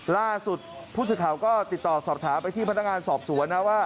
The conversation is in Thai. ล่าสุดผู้สื่อข่าวก็ติดต่อสอบถามไปที่พนักงานสอบสวนนะว่า